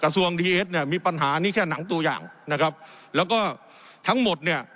ส่วนดีเอสเนี่ยมีปัญหานี่แค่หนังตัวอย่างนะครับแล้วก็ทั้งหมดเนี่ย